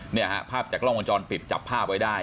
เนี่ยฮะภาพจากกล้องวงจรปิดจับภาพไว้ได้